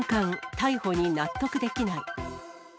逮捕に納得できない。